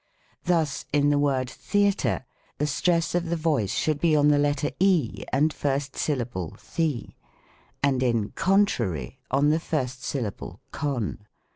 Thus, in the word theatre, the stress of the voice should be on the letter e and first syllable the ; and in contrary, on the first syllable con.